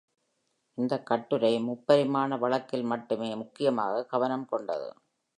இந்த கட்டுரை முப்பரிமாண வழக்கில் மட்டுமே முக்கியமாக கவனம் கொண்டது.